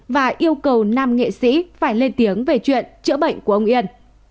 và yêu cầu nam nghệ sĩ phải lên tiếng về chuyện chữa bệnh của ông yên